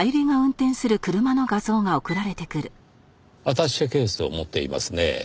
アタッシェケースを持っていますねぇ。